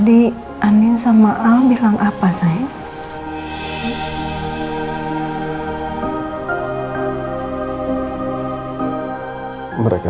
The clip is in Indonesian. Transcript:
ini hanya untuk aku